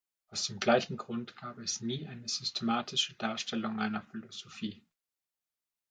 Aus dem gleichen Grund gab er nie eine systematische Darstellung seiner Philosophie.